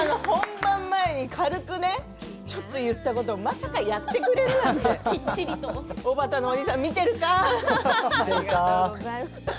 本番前に軽くねちょっと言ったことをまさかやってくれるなんておばたのお兄さん、見てるか。